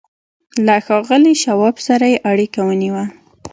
له ښاغلي شواب سره یې اړیکه ونیوه